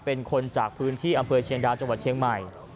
เป็นคนจากพื้นที่อำเภอเชียงดาวจังหวัดเชียงใหม่